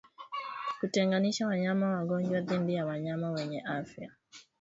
Kutenganisha wanyama wagonjwa dhidi ya wanyama wenye afya